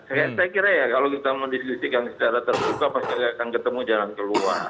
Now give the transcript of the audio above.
saya kira ya kalau kita mendiskusikan secara terbuka pasti akan ketemu jalan keluar